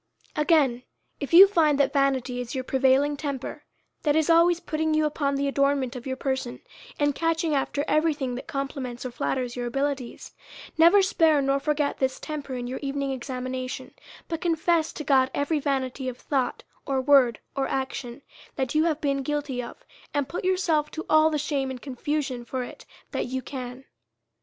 Again : If you find that vanity is your prevailing temper, that is always putting you upon the adornment of your person, and catching every thing that compli ments or flatters your abilities, never spare or forget this temper in your evening examination ; but confess to God every vanity of thought, or word, or action, that you have been guilty of, and put yourself to all the shame and confusion for it that you can.